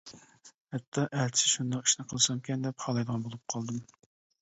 ھەتتا ئەتىسى شۇنداق ئىشنى قىلسامكەن دەپ خالايدىغان بولۇپ قالدىم.